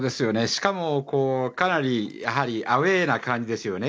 しかも、かなりアウェーな感じですよね。